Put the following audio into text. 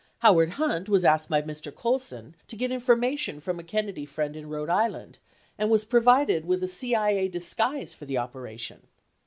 56 Howard Hunt was asked by Mr. Colson to get information from a Kennedy friend in Rhode Island, and was provided with a CIA disguise for the operation.